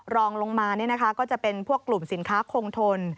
รองลงมาก็จะเป็นพวกกลุ่มสินค้าคงทน